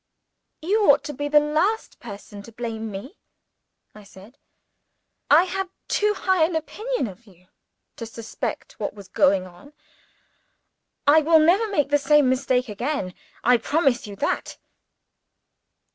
"You ought to be the last person to blame me," I said. "I had too high an opinion of you to suspect what was going on. I will never make the same mistake again I promise you that!"